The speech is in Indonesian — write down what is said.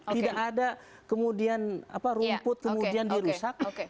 tidak ada kemudian rumput kemudian dirusak